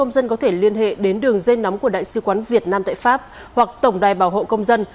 xin chào các bạn